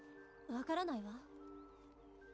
分からないわ